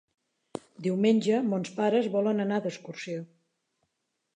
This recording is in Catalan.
Diumenge mons pares volen anar d'excursió.